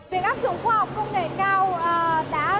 việc áp dụng khoa học công nghệ cao